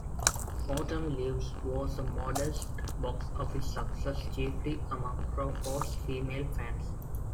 "Autumn Leaves" was a modest box-office success, chiefly among Crawford's female fans.